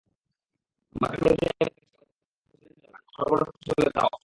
মাকামে ইব্রাহিমের কাছে অনেক মুসল্লি নামাজ আদায় করেন, অনবরত চলে তাওয়াফ।